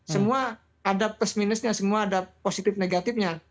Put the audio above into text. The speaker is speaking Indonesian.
semua ada plus minusnya semua ada positif negatifnya